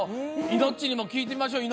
イノッチにも聞いてみましょう。